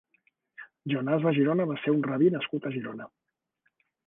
Jonàs de Girona va ser un rabí nascut a Girona.